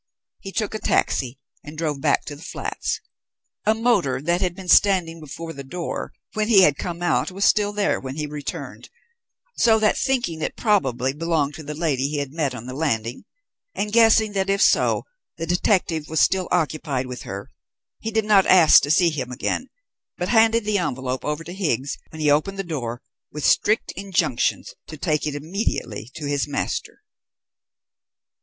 He took a taxi and drove back to the flats. A motor which had been standing before the door when he had come out was still there when he returned; so that, thinking it probably belonged to the lady he had met on the landing, and guessing that if so the detective was still occupied with her, he did not ask to see him again, but handed the envelope over to Higgs when he opened the door, with strict injunctions to take it immediately to his master.